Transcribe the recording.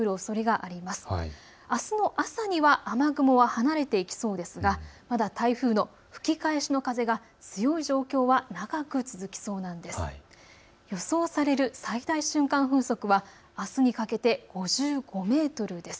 あすの朝には雨雲は離れていきそうですがまだ台風の吹き返しの風が強い状況は長く続きそうなんです。